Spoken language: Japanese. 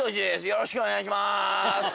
よろしくお願いします。